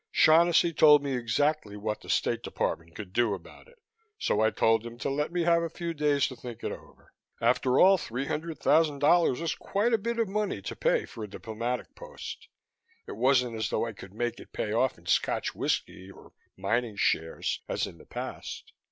Shaughnessy told me exactly what the State Department could do about it, so I told him to let me have a few days to think it over. After all, three hundred thousand dollars was quite a lot of money to pay for a diplomatic post. It wasn't as though I could make it pay off in Scotch whiskey or mining shares as in the past.